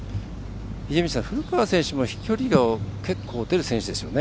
秀道さん、古川選手も飛距離結構、出る選手ですよね？